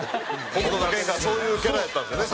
『北斗の拳』がそういうキャラやったんですよね